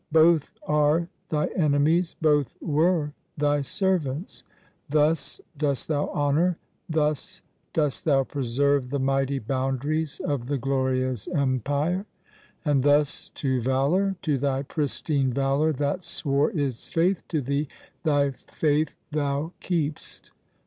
Both are thy enemies both were thy servants! Thus dost thou honour thus dost thou preserve The mighty boundaries of the glorious empire? And thus to Valour, to thy pristine Valour That swore its faith to thee, thy faith thou keep'st?